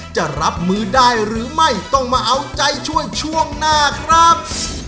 จะรับมือได้หรือไม่ต้องมาเอาใจช่วยช่วงหน้าครับ